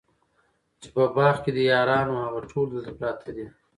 چي په باغ کي دي یاران وه هغه ټول دلته پراته دي